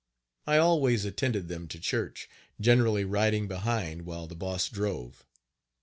I always attended them to church, generally riding behind while the Boss drove.